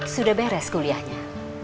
sudah beres kuliahnya